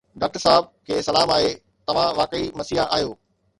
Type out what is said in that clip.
doctor صاحب کي سلام آهي توهان واقعي مسيحا آهيو